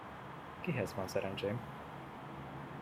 Kihez van szerencsém?